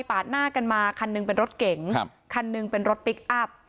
หน้ากันมาคันหนึ่งเป็นรถเก๋งคันหนึ่งเป็นรถพลิกอัพ